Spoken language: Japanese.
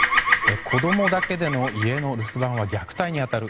子供だけでの家の留守番は虐待に当たる。